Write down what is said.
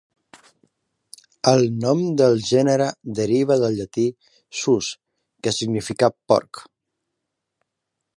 El nom del gènere deriva del llatí "sus", que significa "porc".